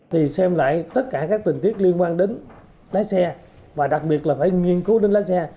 thì xem lại tất cả các tình tiết liên quan đến lái xe và đặc biệt là phải nghiên cứu đến lái xe